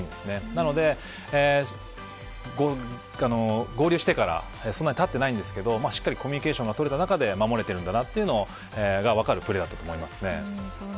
なので、合流してからそんなにたっていませんがしっかりコミュニケーションが取れた中で守れているというのが分かるプレーです。